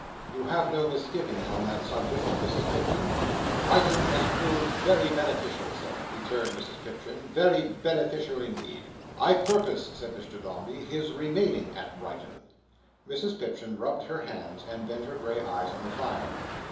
You have no misgivings on that subject, Mrs Pipchin?" "Brighton has proved very beneficial, Sir," returned Mrs Pipchin. "Very beneficial, indeed." "I purpose," said Mr Dombey, "his remaining at Brighton." Mrs Pipchin rubbed her hands, and bent her grey eyes on the fire.